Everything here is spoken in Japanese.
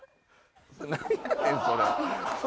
なんやねんそれ。